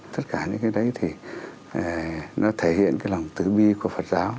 tất cả những cái đấy thì nó thể hiện cái lòng tứ bi của phật giáo